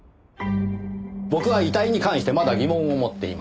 僕は遺体に関してまだ疑問を持っています。